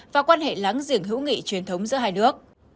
và quan hệ láng giềng hữu nghị truyền thống giữa hai nước